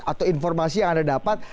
atau informasi yang anda dapat